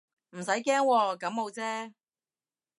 唔使驚喎，感冒啫